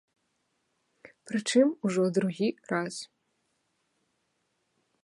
Прычым ужо другі раз.